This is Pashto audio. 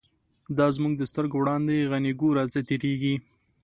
دا زمونږ د سترگو وړاندی، «غنی » گوره څه تیریږی